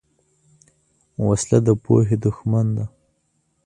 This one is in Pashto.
وسله د پوهې دښمن ده